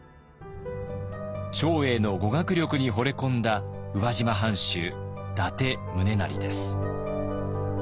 長英の語学力にほれ込んだ宇和島藩主伊達宗城です。